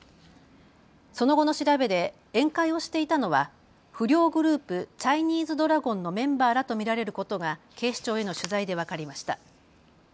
その後の調べで宴会をしていたのは不良グループ、チャイニーズドラゴンのメンバーらと見られることが警視庁への取材で分かりました。